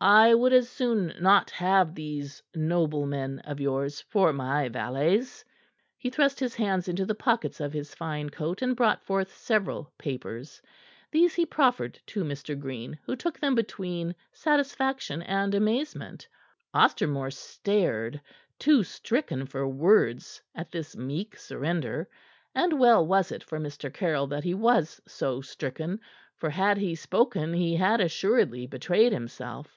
"I would as soon not have these noblemen of yours for my valets." He thrust his hands into the pockets of his fine coat, and brought forth several papers. These he proffered to Mr. Green, who took them between satisfaction and amazement. Ostermore stared, too stricken for words at this meek surrender; and well was it for Mr. Caryll that he was so stricken, for had he spoken he had assuredly betrayed himself.